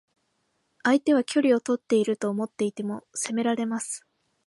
相手は距離をとっていると思っていても攻められます。